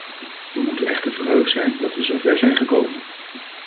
We moeten echter verheugd zijn dat we zover zijn gekomen.